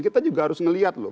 kita juga harus melihat loh